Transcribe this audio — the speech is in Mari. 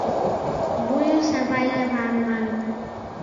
Вуйым сава Йыванлан.